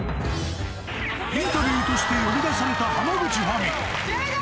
インタビューとして呼び出された、浜口ファミリー。